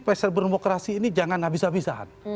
peser bermokrasi ini jangan abis abisan